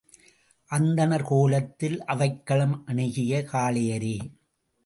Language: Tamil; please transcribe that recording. அந்தணர் கோலத்தில் அவைக்களம் அணுகிய காளையரே!